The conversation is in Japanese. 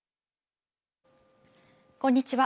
こんにちは。